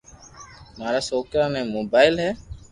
مارا سوڪرا ني موبائل ھي